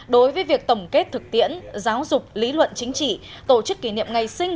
đối với việc tổng kết thực tiễn giáo dục lý luận chính trị tổ chức kỷ niệm ngày sinh